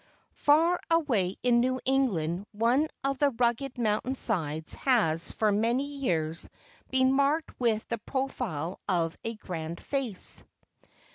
|AR away in New England one of the rugged mountain sides has for many 1H years been marked with the profile of a grand face.